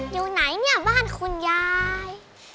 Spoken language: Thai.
อยู่ไหนเนี่ยบ้านคุณยาย